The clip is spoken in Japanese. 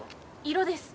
色です